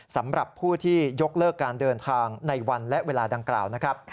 สำหรับผู้ที่ยกเลิกการเดินทางในวันและเวลาดังกล่าวนะครับ